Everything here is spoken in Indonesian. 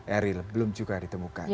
eril belum juga ditemukan